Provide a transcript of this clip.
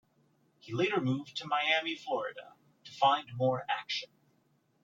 He later moved to Miami, Florida, to find more action.